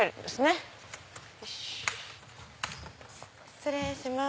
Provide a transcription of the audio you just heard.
失礼します。